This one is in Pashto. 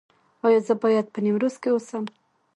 ایا زه باید په نیمروز کې اوسم؟